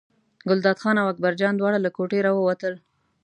ګلداد خان او اکبرجان دواړه له کوټې راووتل.